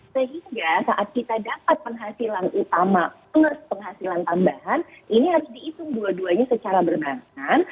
sehingga saat kita dapat penghasilan utama plus penghasilan tambahan ini harus dihitung dua duanya secara berbarengan